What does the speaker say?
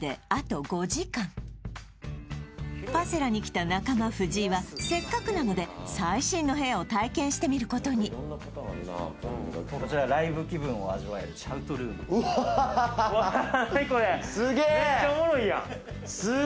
パセラに来た中間藤井はせっかくなので最新の部屋を体験してみることにうわあわあ何？